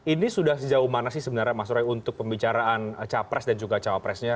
ini sudah sejauh mana sih sebenarnya mas roy untuk pembicaraan capres dan juga cawapresnya